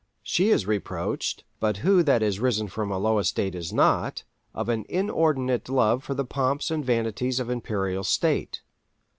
She is reproached—but who that has risen from a low estate is not?—of an inordinate love for the pomps and vanities of imperial state.